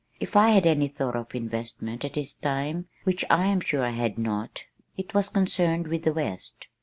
If I had any thought of investment at this time, which I am sure I had not, it was concerned with the west.